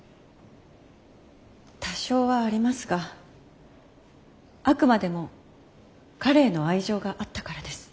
多少はありますがあくまでも彼への愛情があったからです。